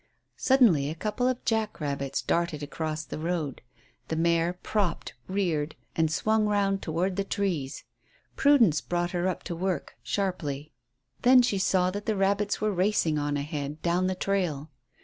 Suddenly a couple of jack rabbits darted across the road. The mare "propped," reared, and swung round towards the trees. Prudence brought her up to her work sharply. Then she saw that the rabbits were racing on ahead, down the trail.